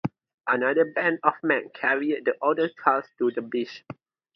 Another band of men carried the other car to the beach.